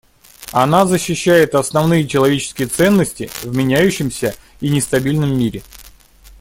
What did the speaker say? Она защищает основные человеческие ценности в меняющемся и нестабильном мире.